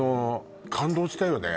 感動したよね